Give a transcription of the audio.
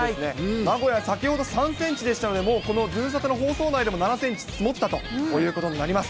名古屋、先ほど３センチでしたので、もうこのズムサタの放送内でも７センチ積もったということになります。